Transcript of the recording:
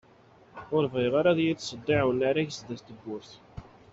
Ur bɣiɣ ara ad iyi-ttseddiɛ unarag sdat tewwurt.